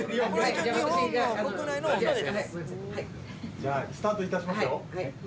・じゃあスタートいたしますよ